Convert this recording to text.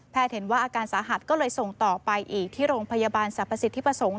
เห็นว่าอาการสาหัสก็เลยส่งต่อไปอีกที่โรงพยาบาลสรรพสิทธิประสงค์